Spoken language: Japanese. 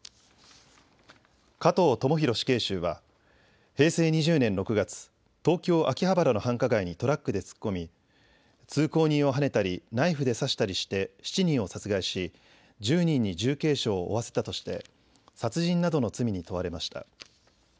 加藤智大死刑囚は平成２０年６月、東京秋葉原の繁華街にトラックで突っ込み通行人をはねたりナイフで刺したりして７人を殺害し１０人に重軽傷を負わせたとして殺人などの罪に問われました。